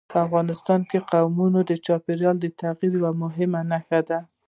په افغانستان کې قومونه د چاپېریال د تغیر یوه مهمه نښه ده.